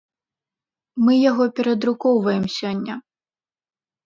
Мы яго перадрукоўваем сёння.